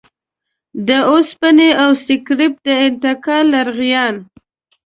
د وسپنې او سکريپ د انتقال لغړيان.